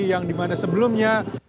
yang dimana sebelumnya